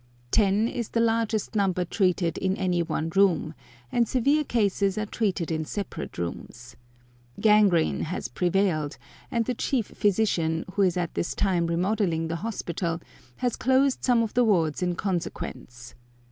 Ten is the largest number treated in any one room, and severe cases are treated in separate rooms. Gangrene has prevailed, and the Chief Physician, who is at this time remodelling the hospital, has closed some of the wards in consequence.